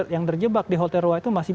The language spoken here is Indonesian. yang terjebak di hotel roa itu masih